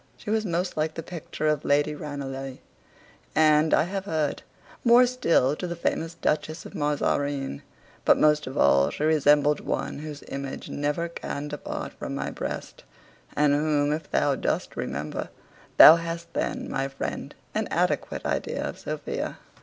She was most like the picture of Lady Ranelagh: and, I have heard, more still to the famous dutchess of Mazarine; but most of all she resembled one whose image never can depart from my breast, and whom, if thou dost remember, thou hast then, my friend, an adequate idea of Sophia.